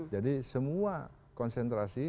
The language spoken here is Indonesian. jadi semua konsentrasi